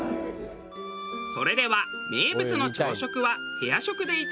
それでは名物の朝食は部屋食でいただきます。